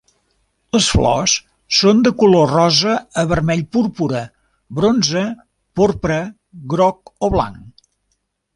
Les flors són de color rosa a vermell púrpura, bronze, porpra, groc o blanc.